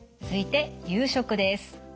続いて夕食です。